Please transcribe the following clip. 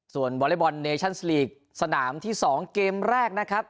ส่วนวอเล็กบอลเนชั่นสลีกสนามที่๒เกมแรกนะครับ